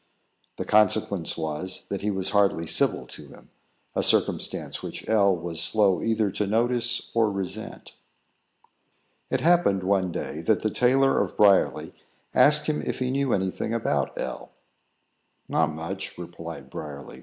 The consequence was that he was hardly civil to him, a circumstance which L was slow either to notice or resent. It happened, one day, that the tailor of Briarly asked him if he knew any thing about L . "Not much," replied Briarly.